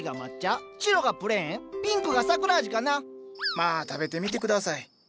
まあ食べてみて下さい。